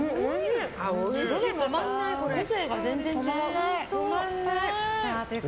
個性が全然違う。